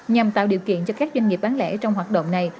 nhằm tạo điều kiện cho các doanh nghiệp bán lẻ trong hoạt động này